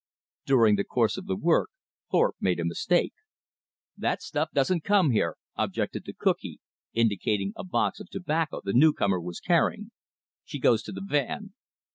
During the course of the work Thorpe made a mistake. "That stuff doesn't come here," objected the cookee, indicating a box of tobacco the newcomer was carrying. "She goes to the 'van.'"